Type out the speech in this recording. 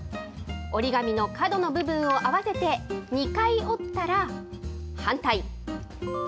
折り紙の角の部分を合わせて２回折ったら、反対。